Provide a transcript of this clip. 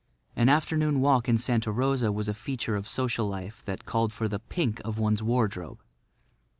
An afternoon walk in Santa Rosa was a feature of social life that called for the pink of one's wardrobe.